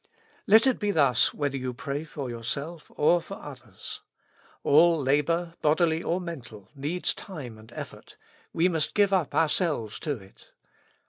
Let it be thus whether you pray for yourself, or for others. All labor, bodily or mental, needs time and effort : we must give up ourselves to it.